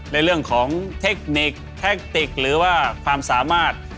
ในเรื่องของเทคนิคแทคติกหรือว่าความสามารถ